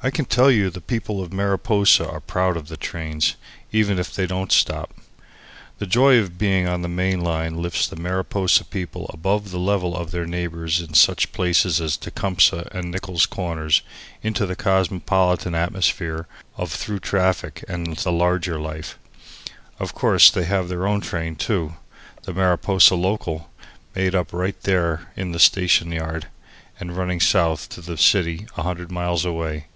I can tell you the people of Mariposa are proud of the trains, even if they don't stop! The joy of being on the main line lifts the Mariposa people above the level of their neighbours in such places as Tecumseh and Nichols Corners into the cosmopolitan atmosphere of through traffic and the larger life. Of course, they have their own train, too the Mariposa Local, made up right there in the station yard, and running south to the city a hundred miles away.